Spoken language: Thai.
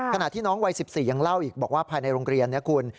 ขณะที่น้องวัย๑๔อีกยังเล่าภายในโรงเรียนนี้คุณ